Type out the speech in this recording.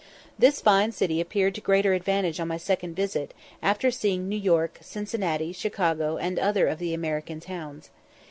This fine city appeared to greater advantage on my second visit, after seeing New York, Cincinnati, Chicago, and other of the American towns.